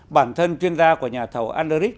bản thân chuyên gia của nhà thầu anderich